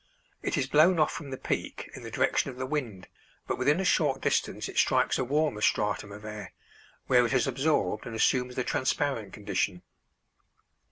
It is blown off from the peak in the direction of the wind, but within a short distance it strikes a warmer stratum of air, where it is absorbed and assumes the transparent condition.